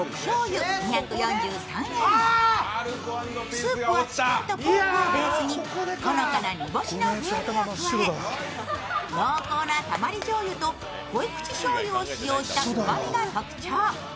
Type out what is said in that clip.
スープはチキンとポークをベースに、ほのかな煮干しの風味を加え、濃厚なたまりじょうゆと濃い口しょうゆを使用したうまみが特徴。